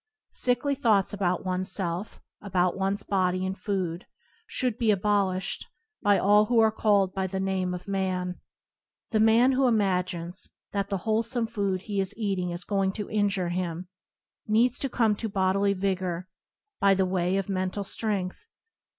Sickly thoughts about oneself, about one's body and food, should be abolished by all who are called by the name of man. The man who imagines that the wholesome food he is eating is going to injure him, needs to come to bodily vigour by the way of men tal strength.